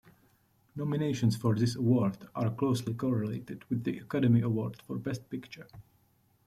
Nominations for this award are closely correlated with the Academy Award for Best Picture.